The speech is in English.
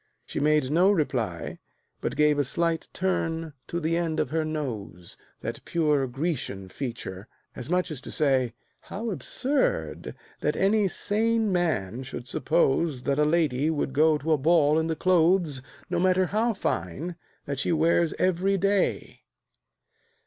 She made no reply, But gave a slight turn to the end of her nose (That pure Grecian feature), as much as to say, "How absurd that any sane man should suppose That a lady would go to a ball in the clothes, No matter how fine, that she wears every day!"